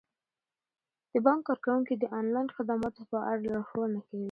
د بانک کارکوونکي د انلاین خدماتو په اړه لارښوونه کوي.